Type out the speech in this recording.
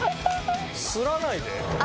擦らないで。